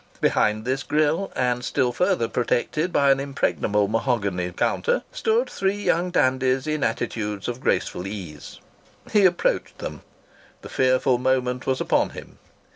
Behind this grille, and still further protected by an impregnable mahogany counter, stood three young dandies in attitudes of graceful ease. He approached them. The fearful moment was upon him.